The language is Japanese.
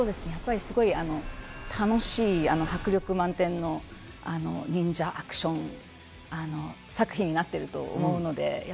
楽しい迫力満点の忍者アクション作品になってると思います。